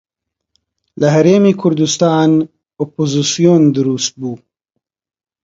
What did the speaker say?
لە هەرێمی کوردستان ئۆپۆزسیۆن دروست بوو